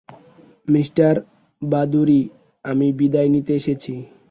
Mister Bhaduri, আমি বিদায় নিতে এসেছি।